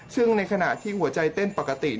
ซึ่งในขณะที่หัวใจเต้นปกติ